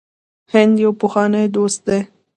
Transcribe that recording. هند یو پخوانی دوست دی.